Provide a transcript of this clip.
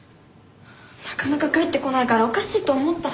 なかなか帰ってこないからおかしいと思った。